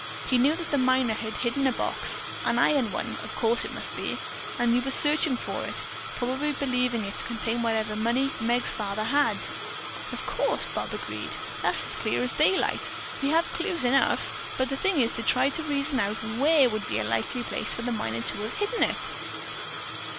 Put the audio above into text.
"He knew that the miner had hidden a box, an iron one, of course it must be, and he has been searching for it, probably believing it to contain whatever money Meg's father had." "Of course," Bob agreed. "That's as clear as daylight. We have clues enough, but the thing is to try to reason out where would be a likely place for the miner to have hidden it."